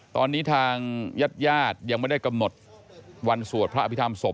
ตอนนี้ทางยาดยังไม่ได้กำหนดวันสวดพระอภิธรรมศพ